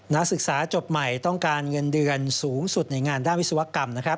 นักศึกษาจบใหม่ต้องการเงินเดือนสูงสุดในงานด้านวิศวกรรมนะครับ